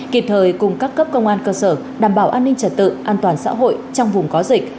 kịp thời cùng các cấp công an cơ sở đảm bảo an ninh trật tự an toàn xã hội trong vùng có dịch